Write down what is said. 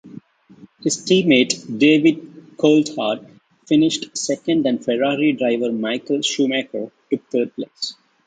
His teammate David Coulthard finished second and Ferrari driver Michael Schumacher took third place.